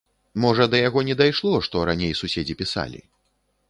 Можа да яго не дайшло, што раней суседзі пісалі.